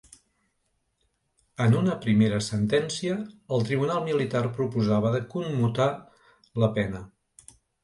En una primera sentència, el tribunal militar proposava de commutar la pena.